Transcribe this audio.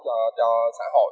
rất là tốt cho xã hội